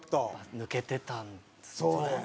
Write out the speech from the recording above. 抜けてたんですね。